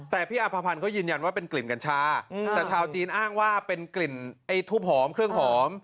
แต่พี่อภพันธ์เขายืนยันว่าเป็นกลิ่นกัญชาแต่ชาวจีนอ้างว่าเป็นกลิ่นไอ้ทูบหอมเครื่องหอม